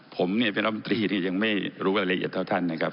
ผมเนี่ยเป็นรัฐมนตรียังไม่รู้รายละเอียดเท่าท่านนะครับ